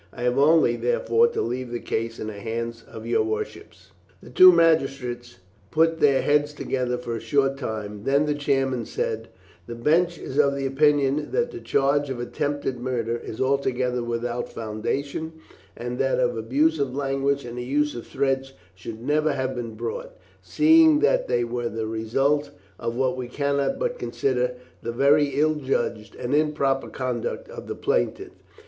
I have only, therefore, to leave the case in the hands of your worships." The two magistrates put their heads together for a short time. Then the chairman said: "The bench is of opinion that the charge of attempted murder is altogether without foundation, and that of abusive language and the use of threats should never have been brought, seeing that they were the result of what we cannot but consider the very ill judged and improper conduct of the plaintiff.